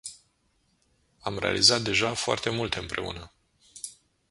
Am realizat deja foarte multe împreună.